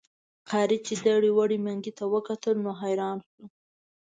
قاضي چې دړې وړې منګي ته وکتل نو حیران شو.